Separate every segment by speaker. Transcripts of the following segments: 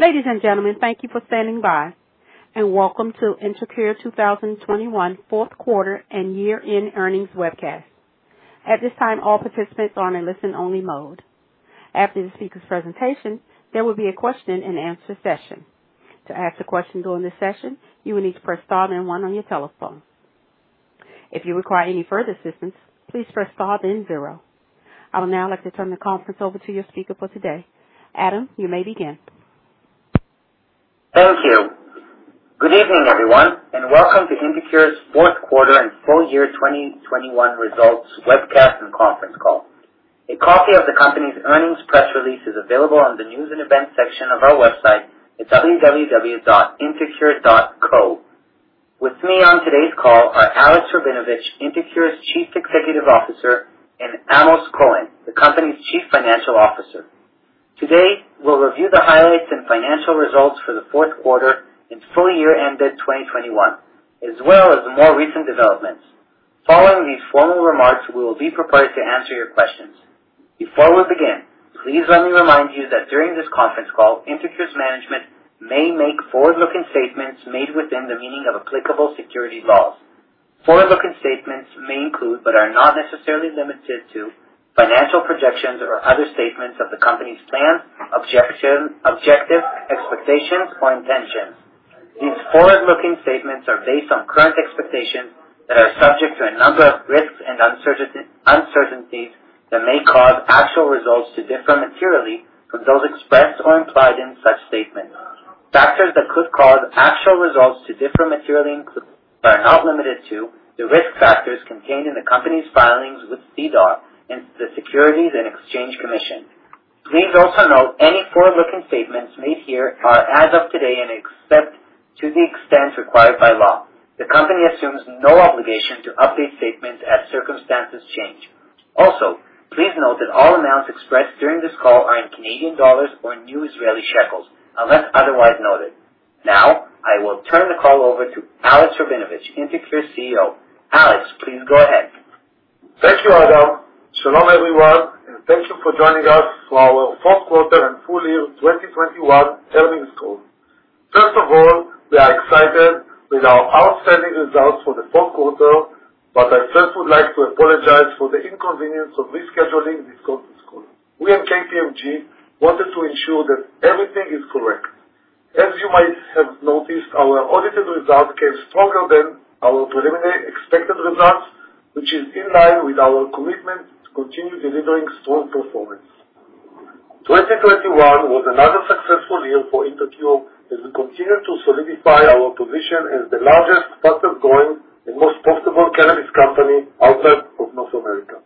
Speaker 1: Ladies and gentlemen, thank you for standing by, and welcome to InterCure 2021 fourth quarter and year-end earnings webcast. At this time, all participants are in listen-only mode. After the speaker's presentation, there will be a question-and-answer session. To ask a question during this session, you will need to press star then one on your telephone. If you require any further assistance, please press star then zero. I would now like to turn the conference over to your speaker for today. Adam, you may begin.
Speaker 2: Thank you. Good evening, everyone, and welcome to InterCure's fourth quarter and full year 2021 results webcast and conference call. A copy of the company's earnings press release is available on the news and events section of our website at www.intercure.co. With me on today's call are Alex Rabinovitch, InterCure's Chief Executive Officer, and Amos Cohen, the company's Chief Financial Officer. Today, we'll review the highlights and financial results for the fourth quarter and full year ended 2021, as well as more recent developments. Following these formal remarks, we will be prepared to answer your questions. Before we begin, please let me remind you that during this conference call, InterCure's management may make forward-looking statements made within the meaning of applicable securities laws. Forward-looking statements may include, but are not necessarily limited to, financial projections or other statements of the company's plans, objectives, expectations or intentions. These forward-looking statements are based on current expectations that are subject to a number of risks and uncertainties that may cause actual results to differ materially from those expressed or implied in such statements. Factors that could cause actual results to differ materially include but are not limited to the risk factors contained in the company's filings with SEDAR and the Securities and Exchange Commission. Please also note any forward-looking statements made here are as of today and, except to the extent required by law, the company assumes no obligation to update statements as circumstances change. Also, please note that all amounts expressed during this call are in Canadian dollars or new Israeli shekels, unless otherwise noted. Now, I will turn the call over to Alex Rabinovitch, InterCure's CEO. Alex, please go ahead.
Speaker 3: Thank you, Adam. Shalom, everyone, and thank you for joining us for our fourth quarter and full year 2021 earnings call. First of all, we are excited with our outstanding results for the fourth quarter, but I first would like to apologize for the inconvenience of rescheduling this conference call. We and KPMG wanted to ensure that everything is correct. As you might have noticed, our audited results came stronger than our preliminary expected results, which is in line with our commitment to continue delivering strong performance. 2021 was another successful year for InterCure as we continue to solidify our position as the largest, fastest-growing and most profitable cannabis company outside of North America.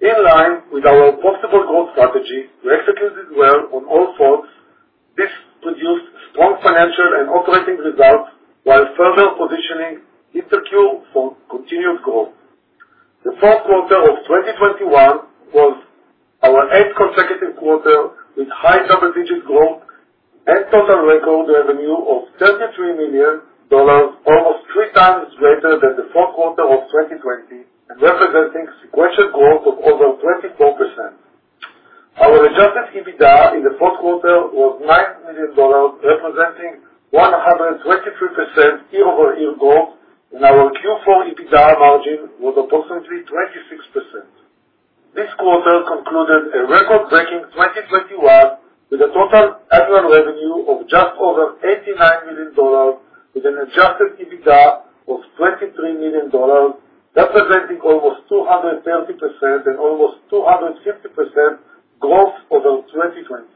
Speaker 3: In line with our profitable growth strategy, we executed well on all fronts. This produced strong financial and operating results while further positioning InterCure for continued growth. The fourth quarter of 2021 was our eighth consecutive quarter with high double-digit growth and total record revenue of CAD 33 million, almost 3x greater than the fourth quarter of 2020 and representing sequential growth of over 24%. Our adjusted EBITDA in the fourth quarter was 9 million dollars, representing 123% year-over-year growth, and our Q4 EBITDA margin was approximately 26%. This quarter concluded a record-breaking 2021, with a total annual revenue of just over 89 million dollars, with an adjusted EBITDA of 23 million dollars, representing almost 230% and almost 250% growth over 2020.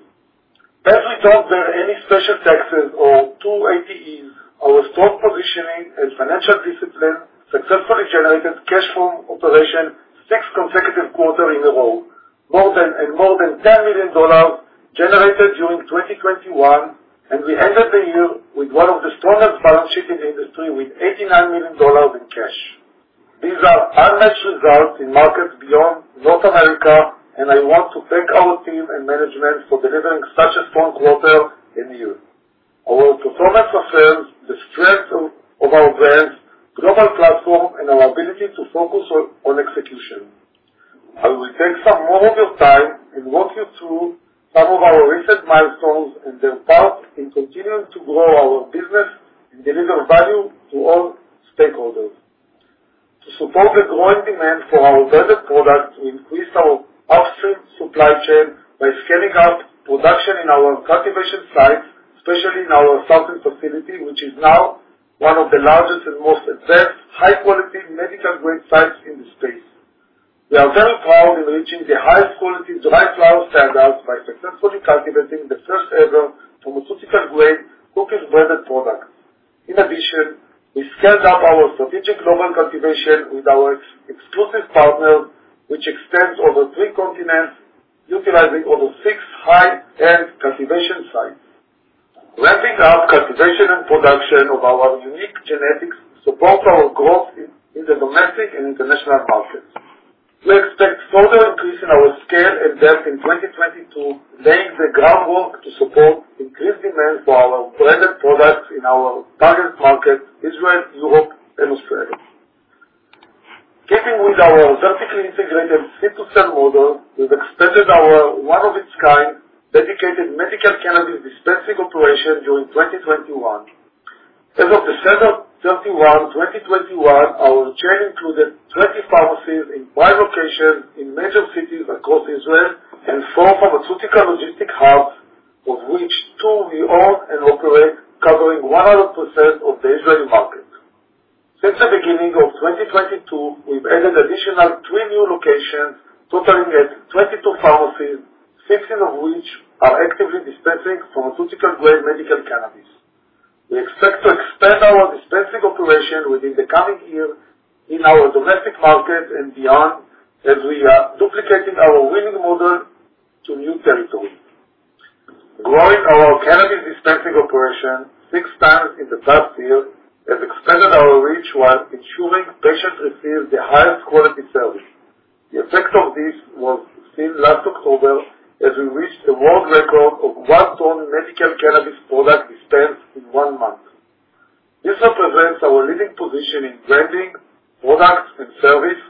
Speaker 3: As we don't bear any special taxes or 280Es, our strong positioning and financial discipline successfully generated cash from operations six consecutive quarters in a row, more than 10 million dollars generated during 2021. We ended the year with one of the strongest balance sheet in the industry, with $89 million in cash. These are unmatched results in markets beyond North America, and I want to thank our team and management for delivering such a strong quarter and year. Our performance affirms the strength of our brands, global platform, and our ability to focus on execution. I will take some more of your time and walk you through some of our recent milestones and their part in continuing to grow our business and deliver value to all stakeholders. To support the growing demand for our branded products, we increased our upstream supply chain by scaling up production in our cultivation sites, especially in our southern facility, which is now one of the largest and most advanced high-quality medical-grade sites in the space. We are very proud in reaching the highest quality dry flower standards by successfully cultivating the first-ever pharmaceutical-grade Cookies-branded products. In addition, we scaled up our strategic global cultivation with our exclusive partner, which extends over three continents, utilizing over six high-end cultivation sites. Ramping up cultivation and production of our unique genetics supports our growth in the domestic and international markets. We expect further increase in our scale and depth in 2022, laying the groundwork to support increased demand for our branded products in our target markets, Israel, Europe and Australia. With our vertically integrated seed-to-sale model, we've expanded our one of a kind dedicated medical cannabis dispensing operation during 2021. As of December 31, 2021, our chain included 20 pharmacies in five locations in major cities across Israel and four pharmaceutical logistic hubs, of which two we own and operate, covering 100% of the Israeli market. Since the beginning of 2022, we've added additional three new locations, totaling at 22 pharmacies, 16 of which are actively dispensing pharmaceutical-grade medical cannabis. We expect to expand our dispensing operation within the coming year in our domestic market and beyond, as we are duplicating our winning model to new territories. Growing our cannabis dispensing operation 6x in the past year has expanded our reach, while ensuring patients receive the highest quality service. The effect of this was seen last October, as we reached a world record of 1-ton medical cannabis product dispensed in one month. This represents our leading position in branding, products, and service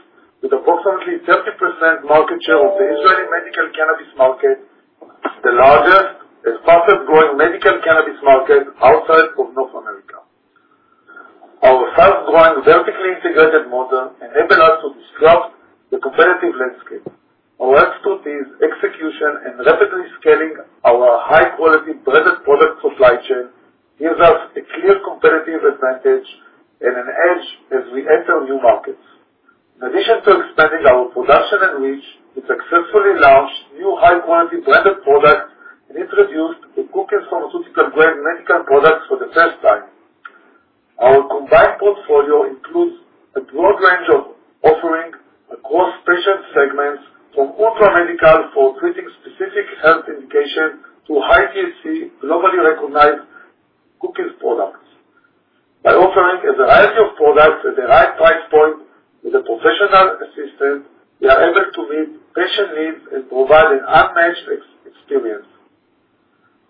Speaker 3: with approximately 30% market share of the Israeli medical cannabis market, the largest and fastest growing medical cannabis market outside of North America. Our fast-growing vertically integrated model enable us to disrupt the competitive landscape. Our expertise, execution, and rapidly scaling our high-quality branded product supply chain gives us a clear competitive advantage and an edge as we enter new markets. In addition to expanding our production and reach, we successfully launched new high-quality branded products and introduced Cookies pharmaceutical-grade medical products for the first time. Our combined portfolio includes a broad range of offerings across patient segments, from ultra medical for treating specific health indications to high THC globally recognized Cookies products. By offering a variety of products at the right price point with a professional assistant, we are able to meet patient needs and provide an unmatched experience.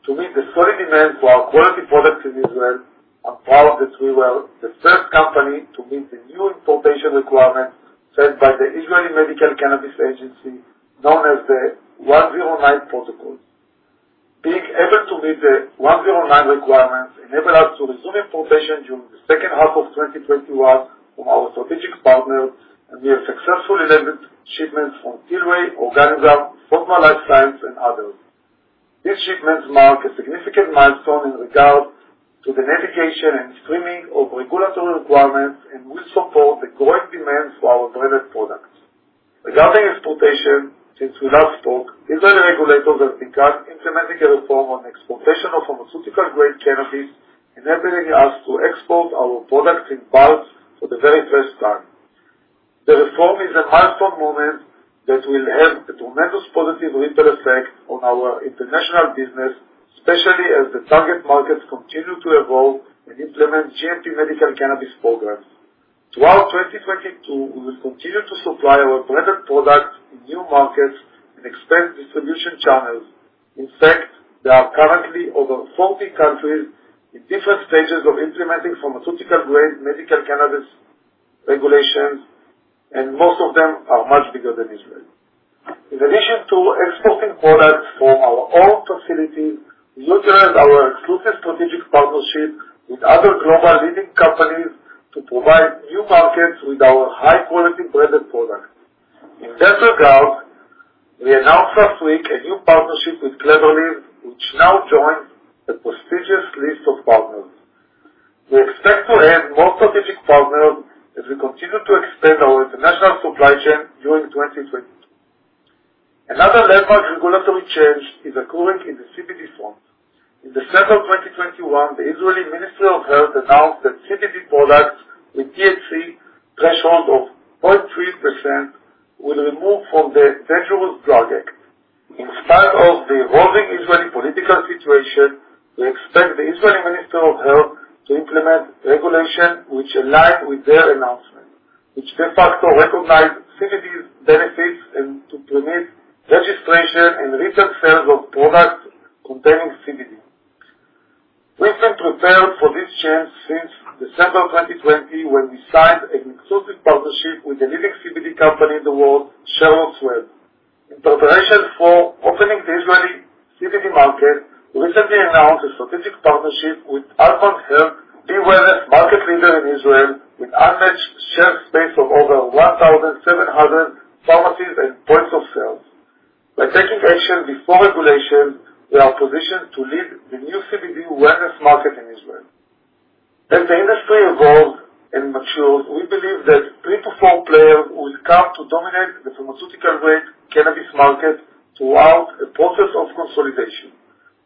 Speaker 3: To meet the growing demand for our quality products in Israel, I'm proud that we were the first company to meet the new importation requirements set by the Israeli Medical Cannabis Agency, known as the 109 Protocol. Being able to meet the 109 requirements enable us to resume importation during the second half of 2021 from our strategic partners, and we have successfully delivered shipments from Tilray, Organigram, Fotmer Life Sciences, and others. These shipments mark a significant milestone in regard to the navigation and streamlining of regulatory requirements, and will support the growing demand for our branded products. Regarding exportation, since we last spoke, Israeli regulators have begun implementing a reform on exportation of pharmaceutical-grade cannabis, enabling us to export our products in bulk for the very first time. The reform is a milestone moment that will have a tremendous positive ripple effect on our international business, especially as the target markets continue to evolve and implement GMP medical cannabis programs. Throughout 2022, we will continue to supply our branded products in new markets and expand distribution channels. In fact, there are currently over 40 countries in different stages of implementing pharmaceutical-grade medical cannabis regulations, and most of them are much bigger than Israel. In addition to exporting products from our own facility, we utilize our exclusive strategic partnerships with other global leading companies to provide new markets with our high-quality branded products. In that regard, we announced last week a new partnership with Clever Leaves, which now joins a prestigious list of partners. We expect to add more strategic partners as we continue to expand our international supply chain during 2022. Another landmark regulatory change is occurring in the CBD front. In December 2021, the Israeli Ministry of Health announced that CBD products with THC threshold of 0.3% will be removed from the Dangerous Drugs Ordinance. In spite of the evolving Israeli political situation, we expect the Israeli Ministry of Health to implement regulations that align with their announcement, which de facto recognizes CBD's benefits, and to permit registration and retail sales of products containing CBD. We've been prepared for this change since December 2020, when we signed an exclusive partnership with the leading CBD company in the world, Charlotte's Web. In preparation for opening the Israeli CBD market, we recently announced a strategic partnership with Almog Health, the wellness market leader in Israel, with unmatched shelf space of over 1,700 pharmacies and points of sales. By taking action before regulation, we are positioned to lead the new CBD wellness market in Israel. As the industry evolves and matures, we believe that three to four players will come to dominate the pharmaceutical-grade cannabis market throughout a process of consolidation.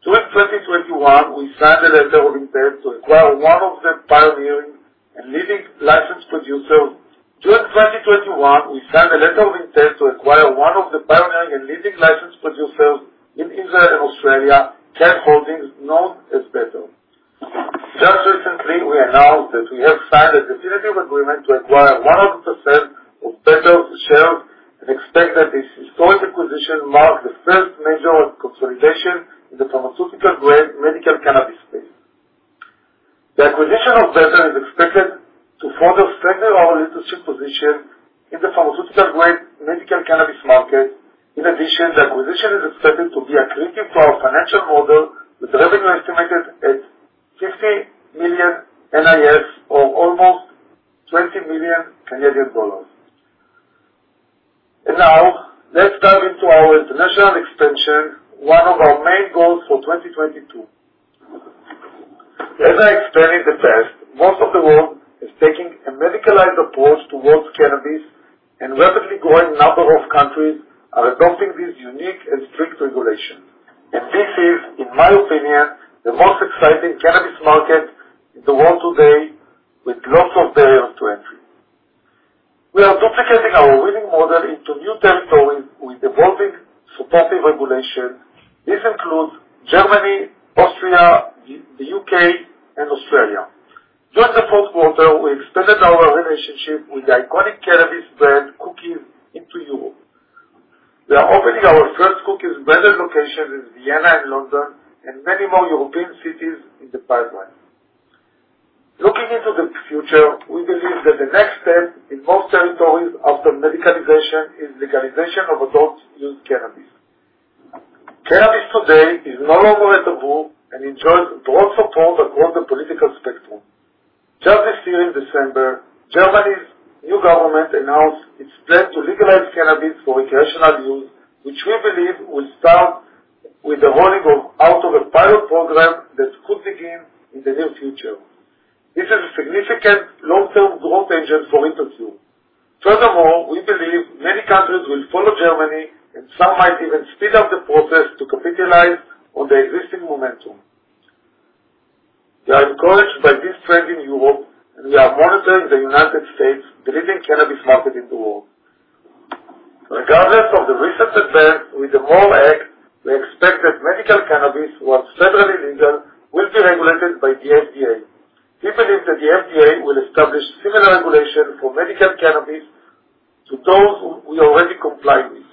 Speaker 3: During 2021, we signed a letter of intent to acquire one of the pioneering and leading licensed producers in Israel and Australia, Cann Holdings, known as Better. Just recently, we announced that we have signed a definitive agreement to acquire 100% of Better's shares and expect that this historic acquisition marks the first major consolidation in the pharmaceutical-grade medical cannabis space. The acquisition of Better is expected to further strengthen our leadership position in the pharmaceutical-grade medical cannabis market. In addition, the acquisition is expected to be accretive to our financial model, with revenue estimated at 50 million or almost 20 million Canadian dollars. Now, let's dive into our international expansion, one of our main goals for 2022. As I explained in the past, most of the world is taking a medicalized approach towards cannabis, and rapidly growing number of countries are adopting this unique and strict regulation. This is, in my opinion, the most exciting cannabis market in the world today, with lots of barriers to entry. We are duplicating our winning model into new territories with evolving supportive regulation. This includes Germany, Austria, the U.K., and Australia. During the fourth quarter, we expanded our relationship with the iconic cannabis brand, Cookies, into Europe. We are opening our first Cookies branded locations in Vienna and London, and many more European cities in the pipeline. Looking into the future, we believe that the next step in most territories after medicalization is legalization of adults to use cannabis. Cannabis today is no longer a taboo and enjoys broad support across the political spectrum. Just this year in December, Germany's new government announced its plan to legalize cannabis for recreational use, which we believe will start with the rolling out of a pilot program that could begin in the near future. This is a significant long-term growth engine for InterCure. Furthermore, we believe many countries will follow Germany, and some might even speed up the process to capitalize on the existing momentum. We are encouraged by this trend in Europe, and we are monitoring the United States, the leading cannabis market in the world. Regardless of the recent events with the MORE Act, we expect that medical cannabis, while federally legal, will be regulated by the FDA, even if the FDA will establish similar regulation for medical cannabis to those we already comply with.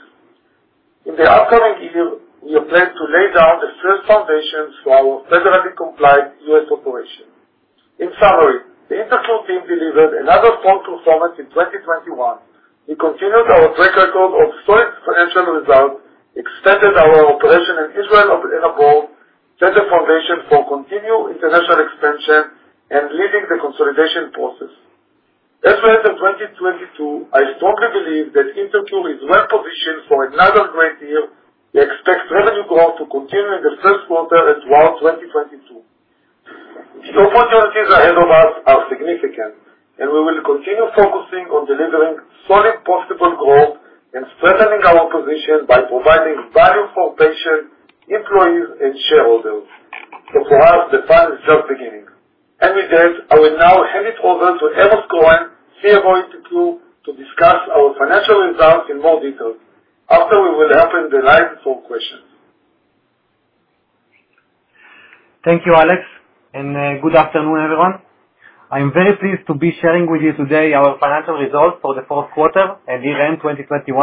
Speaker 3: In the upcoming year, we have planned to lay down the first foundations for our federally compliant U.S. operation. In summary, the InterCure team delivered another strong performance in 2021. We continued our track record of solid financial results, expanded our operation in Israel and abroad, set a foundation for continued international expansion, and leading the consolidation process. As far as 2022, I strongly believe that InterCure is well-positioned for another great year. We expect revenue growth to continue in the first quarter and throughout 2022. The opportunities ahead of us are significant, and we will continue focusing on delivering solid profitable growth and strengthening our position by providing value for patients, employees, and shareholders. For us, the fun is just beginning. With that, I will now hand it over to Amos Cohen, CFO of InterCure, to discuss our financial results in more detail. After that, we will open the line for questions.
Speaker 4: Thank you, Alex, and good afternoon, everyone. I am very pleased to be sharing with you today our financial results for the fourth quarter and year-end 2021.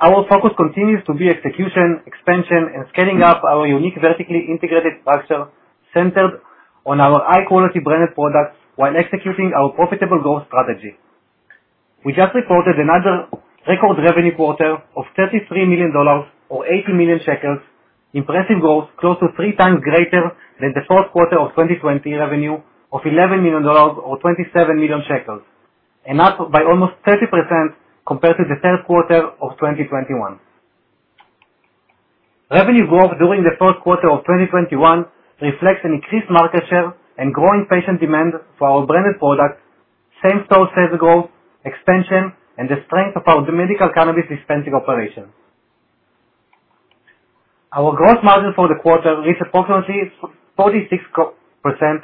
Speaker 4: Our focus continues to be execution, expansion, and scaling up our unique vertically integrated structure centered on our high-quality branded products while executing our profitable growth strategy. We just reported another record revenue quarter of 33 million dollars or 80 million shekels, impressive growth close to 3x greater than the fourth quarter of 2020 revenue of 11 million dollars or 27 million shekels, and up by almost 30% compared to the third quarter of 2021. Revenue growth during the fourth quarter of 2021 reflects an increased market share and growing patient demand for our branded products, same-store sales growth, expansion, and the strength of our medical cannabis dispensing operations. Our gross margin for the quarter reached approximately 46%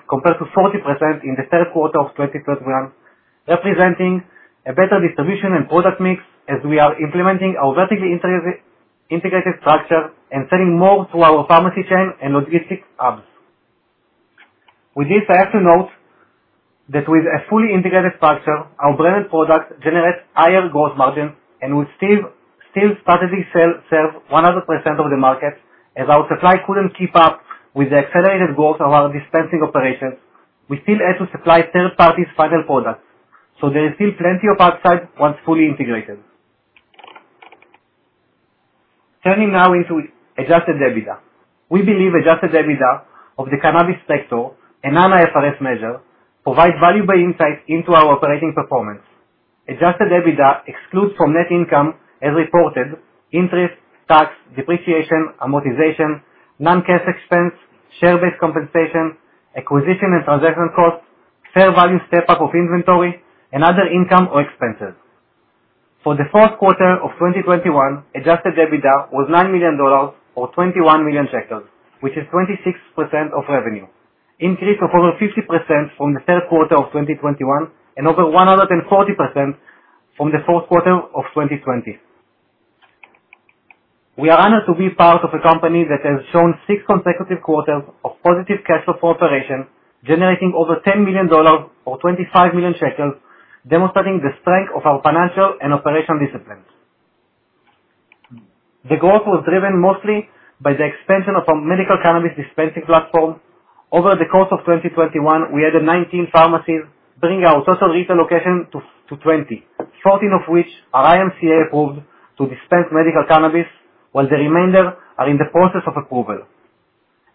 Speaker 4: compared to 40% in the third quarter of 2021, representing a better distribution and product mix as we are implementing our vertically integrated structure and selling more through our pharmacy chain and logistics hubs. With this, I have to note that with a fully integrated structure, our branded products generate higher gross margin and we still strategically serve 100% of the market. As our supply couldn't keep up with the accelerated growth of our dispensing operations, we still had to supply third-party final products. There is still plenty of upside once fully integrated. Turning now into adjusted EBITDA. We believe adjusted EBITDA of the cannabis sector, a non-IFRS measure, provides valuable insight into our operating performance. Adjusted EBITDA excludes from net income as reported interest, tax, depreciation, amortization, non-cash expense, share-based compensation, acquisition and transaction costs, fair value step-up of inventory, and other income or expenses. For the fourth quarter of 2021, adjusted EBITDA was 9 million dollars or 21 million shekels, which is 26% of revenue, increase of over 50% from the third quarter of 2021, and over 140% from the fourth quarter of 2020. We are honored to be part of a company that has shown six consecutive quarters of positive cash flow from operation, generating over 10 million dollars or 25 million shekels, demonstrating the strength of our financial and operational disciplines. The growth was driven mostly by the expansion of our medical cannabis dispensing platform. Over the course of 2021, we added 19 pharmacies, bringing our total retail location to 20, 14 of which are IMCA approved to dispense medical cannabis, while the remainder are in the process of approval.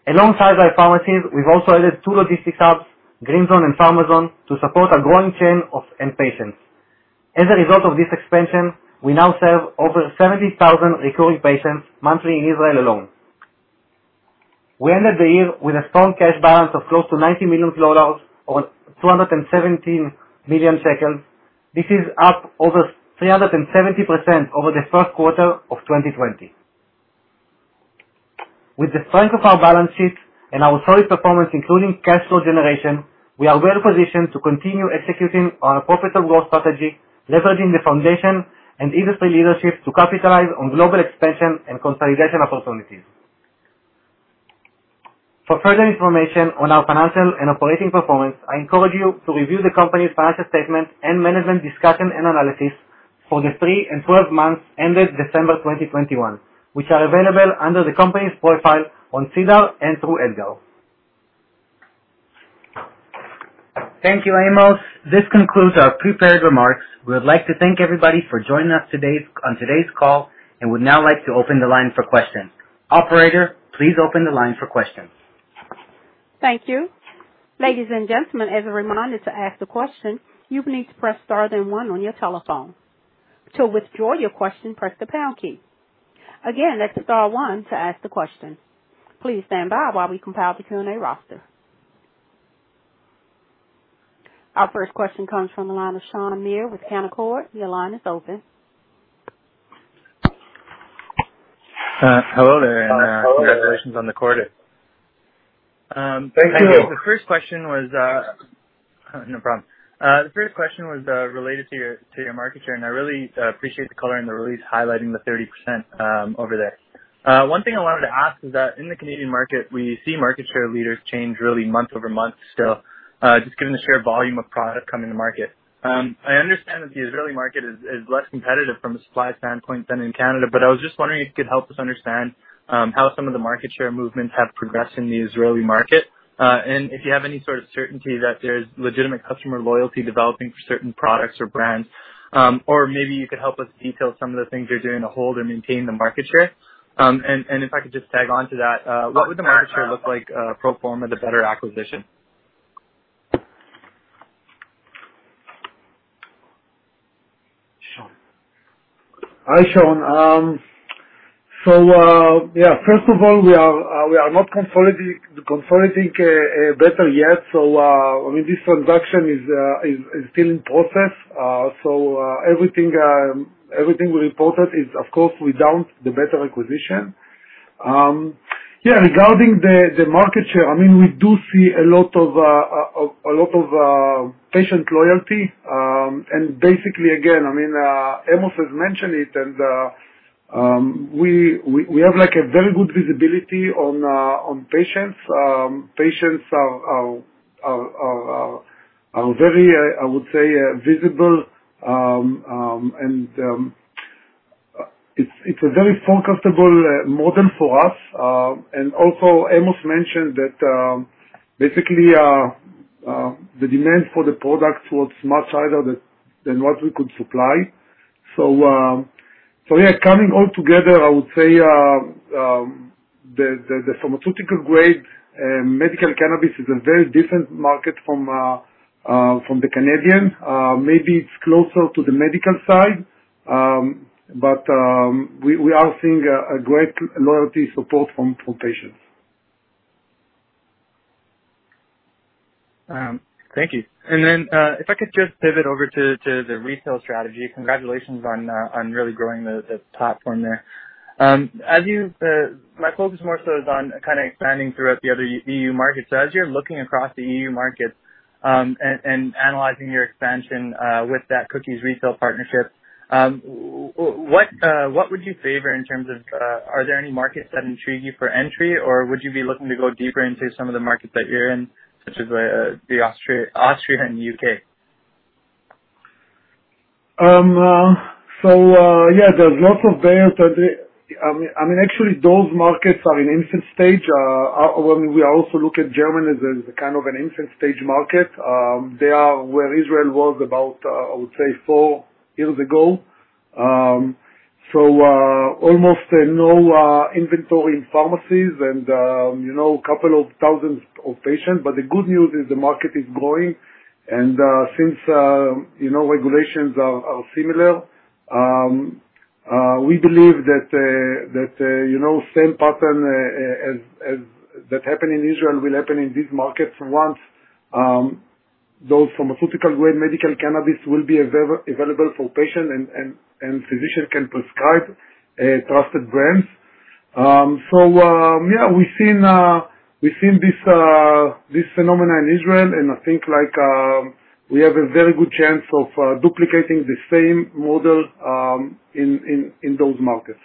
Speaker 4: Alongside our pharmacies, we've also added two logistics hubs, Green-Zone and Pharma-Zone, to support our growing chain of end patients. As a result of this expansion, we now serve over 70,000 recurring patients monthly in Israel alone. We ended the year with a strong cash balance of close to 90 million dollars or 217 million shekels. This is up over 370% over the first quarter of 2020. With the strength of our balance sheet and our solid performance, including cash flow generation, we are well-positioned to continue executing on a profitable growth strategy, leveraging the foundation and industry leadership to capitalize on global expansion and consolidation opportunities. For further information on our financial and operating performance, I encourage you to review the company's financial statement and management discussion and analysis for the 3 and 12 months ended December 2021, which are available under the company's profile on SEDAR and through EDGAR.
Speaker 2: Thank you, Amos. This concludes our prepared remarks. We would like to thank everybody for joining us on today's call and would now like to open the line for questions. Operator, please open the line for questions.
Speaker 1: Thank you. Ladies and gentlemen, as a reminder, to ask a question, you will need to press star then one on your telephone. To withdraw your question, press the pound key. Again, that's star one to ask the question. Please stand by while we compile the Q&A roster. Our first question comes from the line of Shaan Mir with Canaccord. Your line is open.
Speaker 5: Hello there.
Speaker 3: Hello.
Speaker 5: Congratulations on the quarter.
Speaker 3: Thank you.
Speaker 5: The first question was related to your market share, and I really appreciate the color in the release highlighting the 30% over there. One thing I wanted to ask is that in the Canadian market, we see market share leaders change really month-over-month still, just given the sheer volume of product coming to market. I understand that the Israeli market is less competitive from a supply standpoint than in Canada, but I was just wondering if you could help us understand how some of the market share movements have progressed in the Israeli market. If you have any sort of certainty that there's legitimate customer loyalty developing for certain products or brands, or maybe you could help us detail some of the things you're doing to hold and maintain the market share. If I could just tag on to that, what would the market share look like pro forma the Better acquisition?
Speaker 2: Shaan.
Speaker 3: Hi, Shaan. First of all, we are not consolidating Better yet. I mean, this transaction is still in process. Everything we reported is, of course, without the Better acquisition. Yeah, regarding the market share, I mean, we do see a lot of patient loyalty. Basically, again, I mean, Amos has mentioned it, and we have, like, a very good visibility on patients. Patients are very visible, I would say. It's a very forecastable model for us. Amos mentioned that, basically, the demand for the product was much higher than what we could supply. Coming all together, I would say, the pharmaceutical-grade medical cannabis is a very different market from the Canadian. Maybe it's closer to the medical side, but we are seeing a great loyalty support from patients.
Speaker 5: Thank you. If I could just pivot over to the retail strategy. Congratulations on really growing the platform there. My focus more so is on kinda expanding throughout the other E.U. markets. As you're looking across the E.U. markets, and analyzing your expansion with that Cookies retail partnership, what would you favor in terms of, are there any markets that intrigue you for entry, or would you be looking to go deeper into some of the markets that you're in, such as the Austria and the U.K.?
Speaker 3: I mean, actually, those markets are in infant stage. When we also look at Germany as a kind of an infant stage market, they are where Israel was about, I would say 4 years ago. Almost no inventory in pharmacies and, you know, couple of thousands of patients, but the good news is the market is growing, and since, you know, regulations are similar, we believe that, you know, same pattern as that happened in Israel will happen in these markets once those pharmaceutical-grade medical cannabis will be available for patients and physicians can prescribe trusted brands. Yeah, we've seen this phenomenon in Israel, and I think, like, we have a very good chance of duplicating the same model in those markets.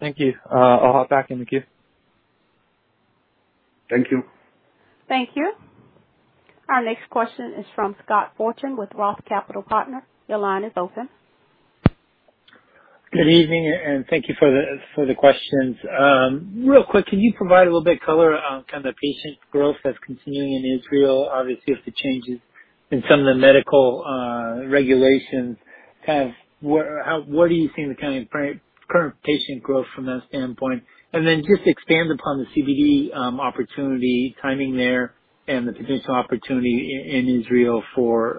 Speaker 5: Thank you. I'll hop back in the queue.
Speaker 3: Thank you.
Speaker 1: Thank you. Our next question is from Scott Fortune with Roth Capital Partners. Your line is open.
Speaker 6: Good evening, and thank you for the questions. Real quick, can you provide a little bit color on kind of the patient growth that's continuing in Israel, obviously with the changes in some of the medical regulations? What are you seeing the kind of current patient growth from that standpoint? Then just expand upon the CBD opportunity timing there and the potential opportunity in Israel for,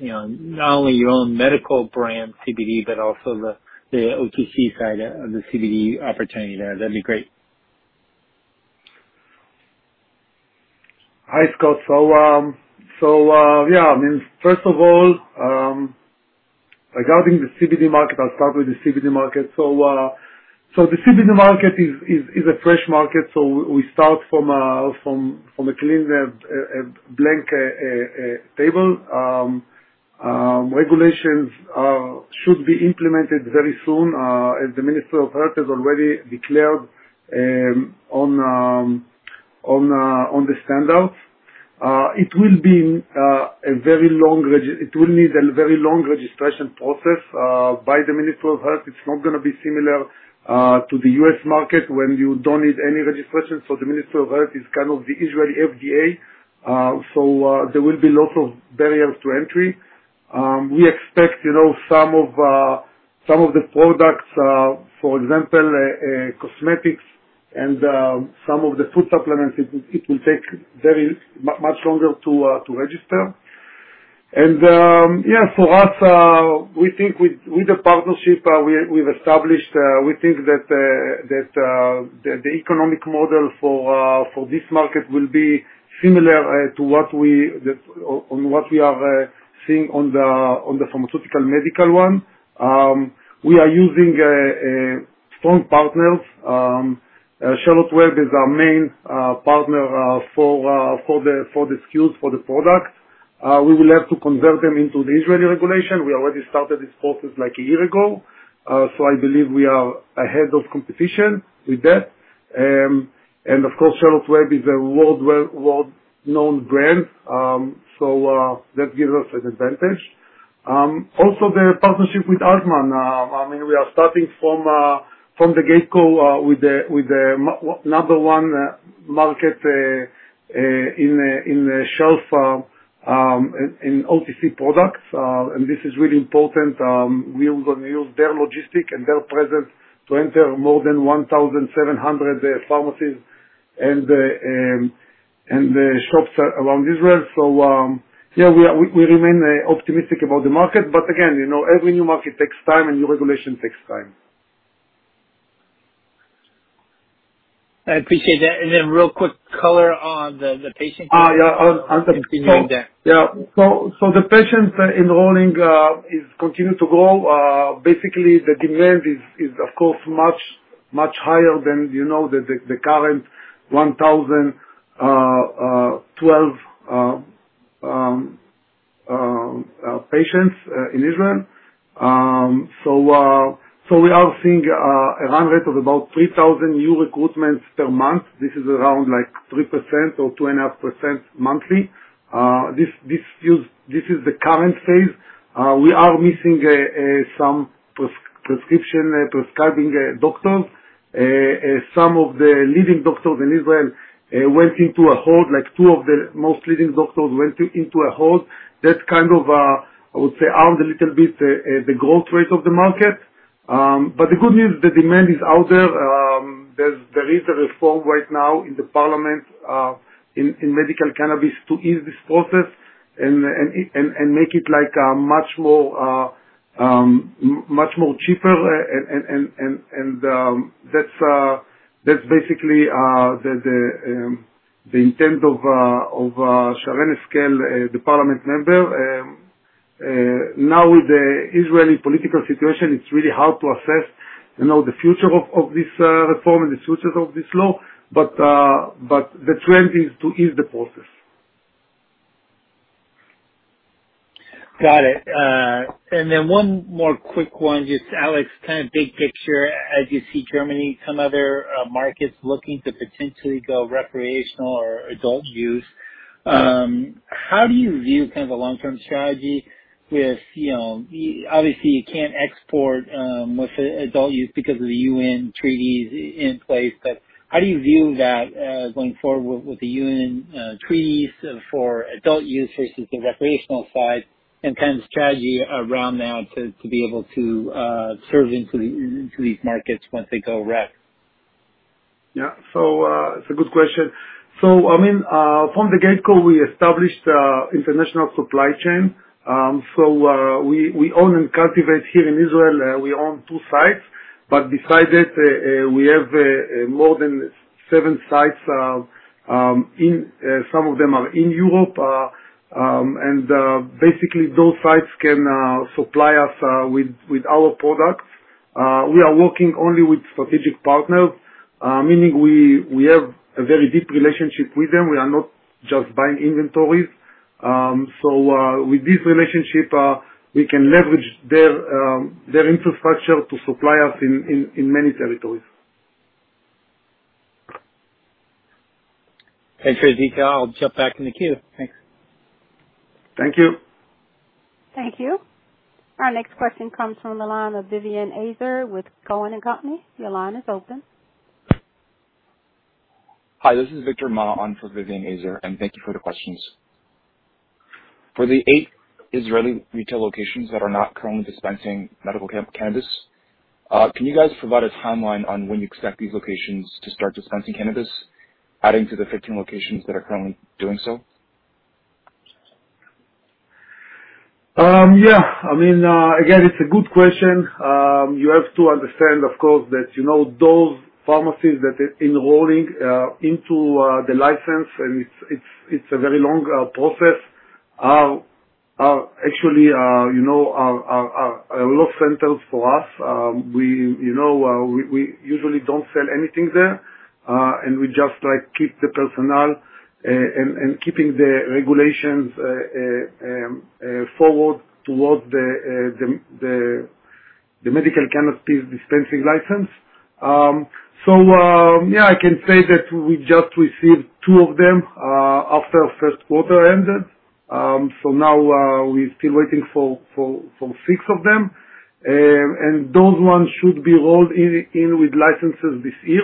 Speaker 6: you know, not only your own medical brand CBD, but also the OTC side of the CBD opportunity there. That'd be great.
Speaker 3: Hi, Scott. Yeah, I mean, first of all, regarding the CBD market, I'll start with the CBD market. The CBD market is a fresh market, so we start from a clean and blank table. Regulations should be implemented very soon, as the Minister of Health has already declared on the standout. It will need a very long registration process by the Ministry of Health. It's not gonna be similar to the U.S. market when you don't need any registration. The Ministry of Health is kind of the Israeli FDA. There will be lots of barriers to entry. We expect, you know, some of the products, for example, cosmetics and some of the food supplements, it will take very much longer to register. Yeah, for us, we think with the partnership we've established, we think that the economic model for this market will be similar to what we are seeing on the pharmaceutical and medical one. We are using strong partners. Charlotte's Web is our main partner for the SKUs for the products. We will have to convert them into the Israeli regulation. We already started this process like a year ago, so I believe we are ahead of competition with that. Of course, Charlotte's Web is a world-known brand, so that gives us an advantage. Also the partnership with Almog, I mean, we are starting from the get-go with the number one market on the shelf in OTC products. This is really important. We are gonna use their logistics and their presence to enter more than 1,700 pharmacies and the shops around Israel. We remain optimistic about the market. Again, you know, every new market takes time and new regulation takes time.
Speaker 6: I appreciate that. Real quick color on the patient.
Speaker 3: Yeah, on the.
Speaker 6: Continuing there.
Speaker 3: The patients enrolling is continue to grow. Basically the demand is of course much higher than you know the current 1,012 patients in Israel. We are seeing a run rate of about 3,000 new recruitments per month. This is around like 3% or 2.5% monthly. This feels. This is the current phase. We are missing some prescription-prescribing doctors. Some of the leading doctors in Israel went into a hold, like two of the most leading doctors went into a hold. That kind of I would say harmed a little bit the growth rate of the market. The good news, the demand is out there. There is a reform right now in the parliament in medical cannabis to ease this process and make it like much more cheaper. That's basically the intent of Sharren Haskel, the parliament member. Now with the Israeli political situation, it's really hard to assess, you know, the future of this reform and the future of this law. The trend is to ease the process.
Speaker 6: Got it. One more quick one. Just Alex, kind of big picture, as you see Germany, some other markets looking to potentially go recreational or adult use, how do you view kind of the long-term strategy with, you know, obviously you can't export with adult use because of the UN treaties in place, how do you view that going forward with the UN treaties for adult use versus the recreational side and kind of the strategy around that to be able to serve into these markets once they go rec?
Speaker 3: It's a good question. I mean, from the get-go, we established international supply chain. We own and cultivate here in Israel. We own two sites, but besides it, we have more than seven sites, some of them are in Europe. Basically those sites can supply us with our products. We are working only with strategic partners, meaning we have a very deep relationship with them. We are not just buying inventories. With this relationship, we can leverage their infrastructure to supply us in many territories.
Speaker 6: Thanks for the detail. I'll jump back in the queue. Thanks.
Speaker 3: Thank you.
Speaker 1: Thank you. Our next question comes from the line of Vivien Azer with Cowen and Company. Your line is open.
Speaker 7: Hi, this is Victor Ma on for Vivien Azer, and thank you for the questions. For the eight Israeli retail locations that are not currently dispensing medical cannabis, can you guys provide a timeline on when you expect these locations to start dispensing cannabis, adding to the 15 locations that are currently doing so?
Speaker 3: Yeah. I mean, again, it's a good question. You have to understand, of course, that, you know, those pharmacies that are enrolling into the license, and it's a very long process, are actually, you know, loss centers for us. We, you know, we usually don't sell anything there, and we just like keep the personnel and keeping the regulations forward towards the medical cannabis dispensing license. Yeah, I can say that we just received two of them after first quarter ended. Now, we still waiting for six of them. And those ones should be rolled in with licenses this year.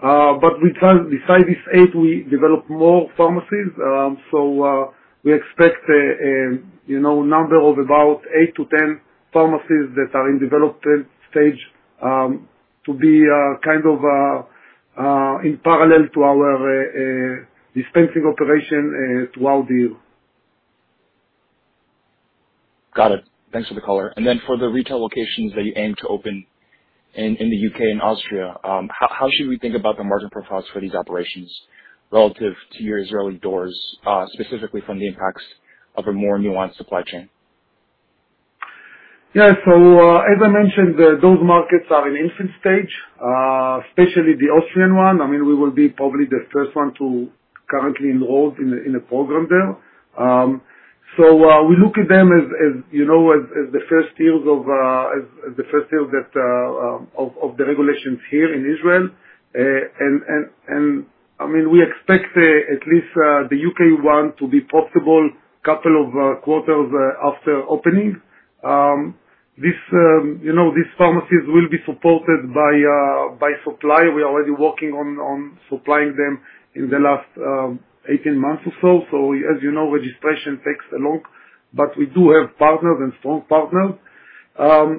Speaker 3: But we can't. Besides these eight, we developed more pharmacies. We expect, you know, a number of about eight to 10 pharmacies that are in development stage to be kind of in parallel to our dispensing operation throughout the year.
Speaker 7: Got it. Thanks for the color. For the retail locations that you aim to open in the U.K. and Austria, how should we think about the margin profiles for these operations relative to your Israeli doors, specifically from the impacts of a more nuanced supply chain?
Speaker 3: As I mentioned, those markets are in infant stage, especially the Austrian one. I mean, we will be probably the first one currently enrolled in a program there. We look at them as, you know, the first deals of the regulations here in Israel. I mean, we expect at least the U.K. one to be profitable couple of quarters after opening. You know, these pharmacies will be supported by supply. We're already working on supplying them in the last 18 months or so. As you know, registration takes long, but we do have partners and strong partners. Yeah,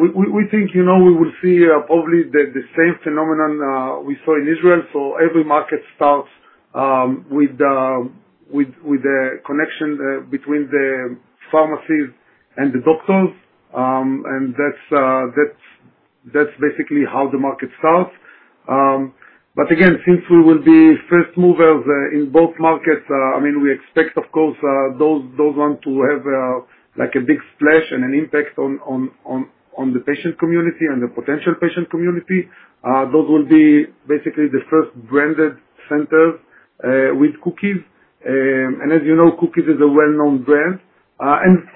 Speaker 3: we think, you know, we will see probably the same phenomenon we saw in Israel. Every market starts with the connection between the pharmacies and the doctors. That's basically how the market starts. Again, since we will be first movers in both markets, I mean, we expect of course those ones to have like a big splash and an impact on the patient community and the potential patient community. Those will be basically the first branded centers with Cookies. As you know, Cookies is a well-known brand.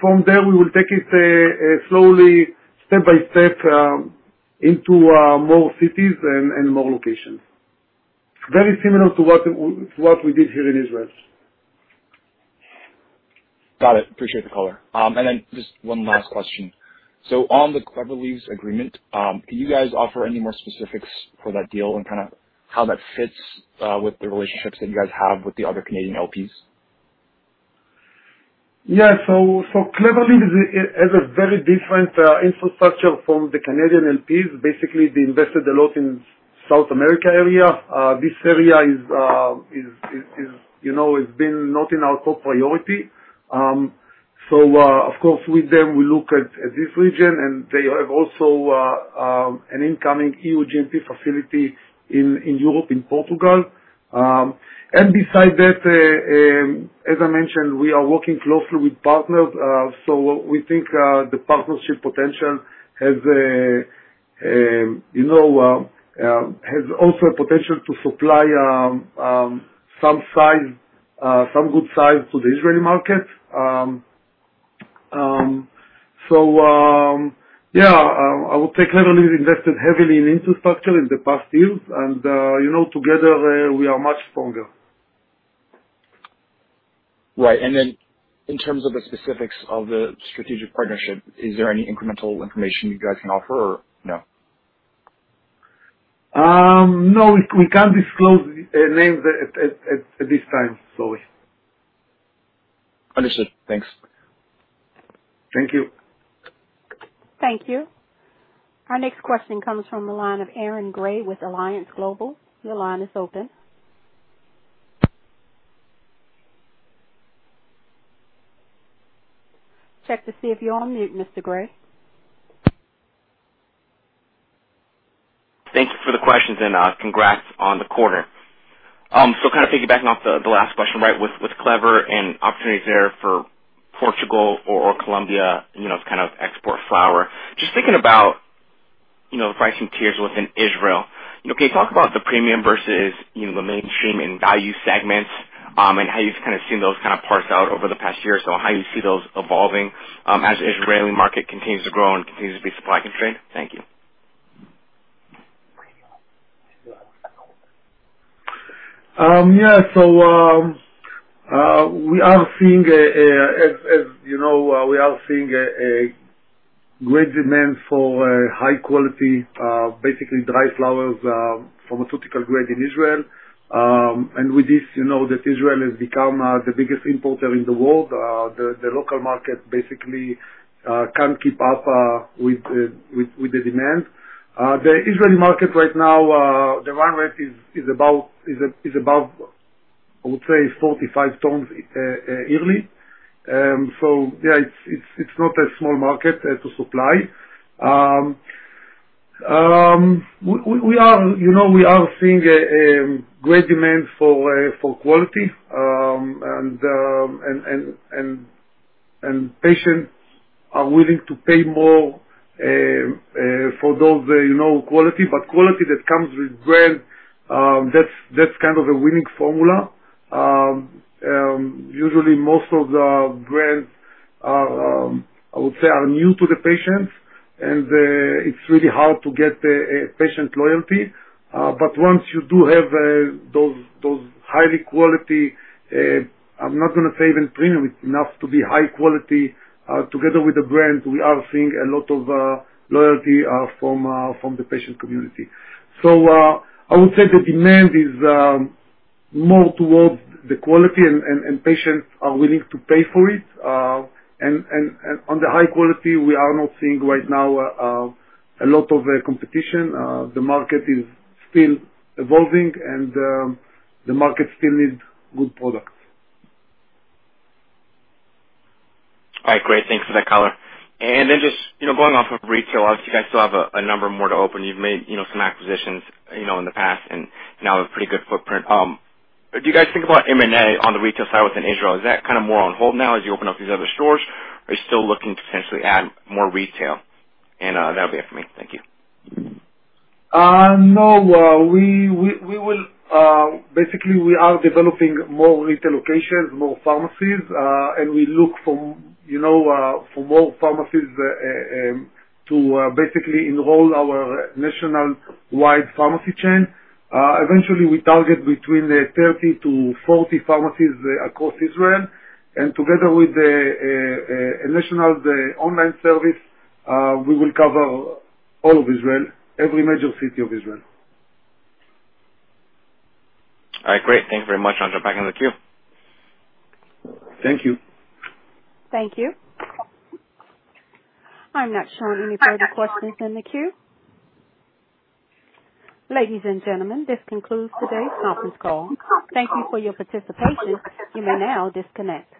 Speaker 3: From there we will take it slowly step by step into more cities and more locations. Very similar to what we did here in Israel.
Speaker 7: Got it. Appreciate the color. Just one last question. On the Clever Leaves agreement, can you guys offer any more specifics for that deal and kind of how that fits with the relationships that you guys have with the other Canadian LPs?
Speaker 3: Yeah. Clever Leaves has a very different infrastructure from the Canadian LPs. Basically, they invested a lot in South America area. This area is, you know, it's been not in our top priority. Of course with them we look at this region and they have also an incoming E.U. GMP facility in Europe, in Portugal. Beside that, as I mentioned, we are working closely with partners. We think the partnership potential has also a potential to supply some good size to the Israeli market. Yeah, I would say Clever Leaves invested heavily in infrastructure in the past years and, you know, together we are much stronger.
Speaker 7: Right. In terms of the specifics of the strategic partnership, is there any incremental information you guys can offer or no?
Speaker 3: No, we can't disclose names at this time, sorry.
Speaker 7: Understood. Thanks.
Speaker 3: Thank you.
Speaker 1: Thank you. Our next question comes from the line of Aaron Grey with Alliance Global. Your line is open. Check to see if you're on mute, Mr. Grey.
Speaker 8: Thank you for the questions and congrats on the quarter. Kind of piggybacking off the last question, right, with Clever and opportunities there for Portugal or Colombia, you know, to kind of export flower. You know, the pricing tiers within Israel. Can you talk about the premium versus, you know, the mainstream and value segments, and how you've kind of seen those kind of parse out over the past year, so how you see those evolving, as the Israeli market continues to grow and continues to be supply constrained? Thank you.
Speaker 3: As you know, we are seeing a great demand for high quality basically dry flowers pharmaceutical grade in Israel. With this, you know that Israel has become the biggest importer in the world. The local market basically can't keep up with the demand. The Israeli market right now, the run rate is above, I would say, 45 tons yearly. It's not a small market to supply. We are, you know, we are seeing a great demand for quality, and patients are willing to pay more for those, you know, quality, but quality that comes with brand. That's kind of a winning formula. Usually most of the brands are, I would say are new to the patients, and it's really hard to get a patient loyalty. But once you do have those high quality, I'm not gonna say even premium, enough to be high quality, together with the brands, we are seeing a lot of loyalty from the patient community. I would say the demand is more towards the quality and patients are willing to pay for it. On the high quality, we are not seeing right now a lot of competition. The market is still evolving and the market still needs good products.
Speaker 8: All right. Great. Thanks for the color. Just, you know, going off of retail, obviously you guys still have a number more to open. You've made, you know, some acquisitions, you know, in the past, and now a pretty good footprint. Do you guys think about M&A on the retail side within Israel? Is that kind of more on hold now as you open up these other stores? Are you still looking to potentially add more retail? That'll be it for me. Thank you.
Speaker 3: No, we will basically we are developing more retail locations, more pharmacies, and we look for, you know, for more pharmacies to basically enroll our nationwide pharmacy chain. Eventually we target between 30-40 pharmacies across Israel, and together with a national online service, we will cover all of Israel, every major city of Israel.
Speaker 8: All right. Great. Thank you very much. I'll drop back in the queue.
Speaker 3: Thank you.
Speaker 1: Thank you. I'm not showing any further questions in the queue. Ladies and gentlemen, this concludes today's conference call. Thank you for your participation. You may now disconnect.